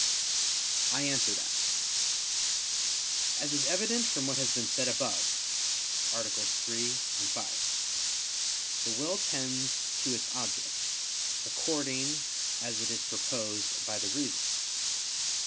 I answer that, As is evident from what has been said above (AA. 3, 5), the will tends to its object, according as it is proposed by the reason.